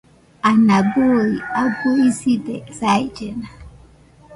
Ana bɨi abɨ iside saillena.